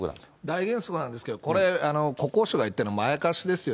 大原則なんですけれども、これ、国交省が言ってるのまやかしですよ。